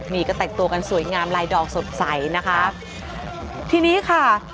นี่ก็แต่งตัวกันสวยงามลายดอกสดใสนะคะทีนี้ค่ะ